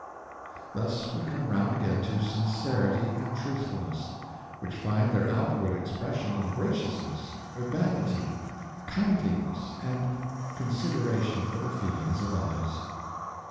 Thus we come round again to sincerity and truthfulness, which find their outward expression in graciousness, urbanity, kindliness and consideration for the feelings of others.